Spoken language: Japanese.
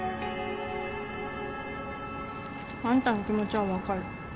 あんたの気持ちは分かる。